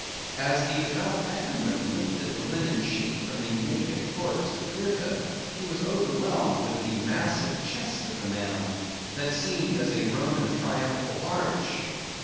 As devout Eckerman lifted the linen sheet from the naked corpse of Goethe, he was overwhelmed with the massive chest of the man, that seemed as a Roman triumphal arch.